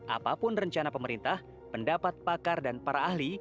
apapun rencana pemerintah pendapat pakar dan para ahli